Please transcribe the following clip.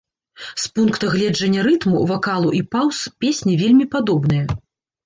З пункта гледжання рытму, вакалу і паўз, песні вельмі падобныя.